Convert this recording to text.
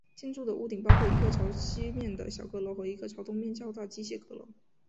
建筑的屋顶包括一个朝西面的小阁楼和一个朝东面较大机械阁楼。